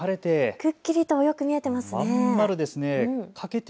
くっきりとよく見えていますね。